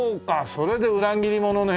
それで裏切り者ね。